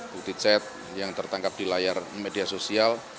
bukti chat yang tertangkap di layar media sosial